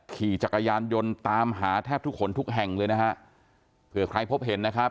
ขี่จักรยานยนต์ตามหาแทบทุกคนทุกแห่งเลยนะฮะเผื่อใครพบเห็นนะครับ